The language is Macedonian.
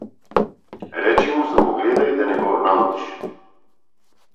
Речи му само гледај да не го налутиш.